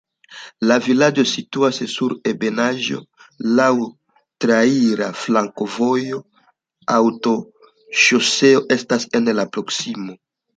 La vilaĝo situas sur ebenaĵo, laŭ traira flankovojo, aŭtoŝoseo estas en la proksimo.